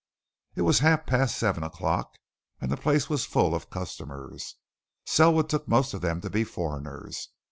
It was half past seven o'clock, and the place was full of customers. Selwood took most of them to be foreigners.